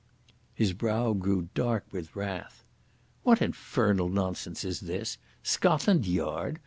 His brow grew dark with wrath. "What infernal nonsense is this? Scotland Yard!